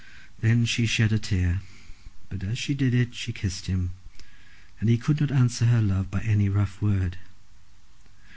Then she shed a tear, but as she did it she kissed him, and he could not answer her love by any rough word.